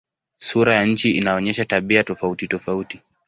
Sura ya nchi inaonyesha tabia tofautitofauti.